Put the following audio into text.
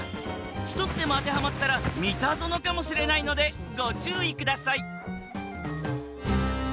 １つでも当てはまったらミタゾノかもしれないのでご注意ください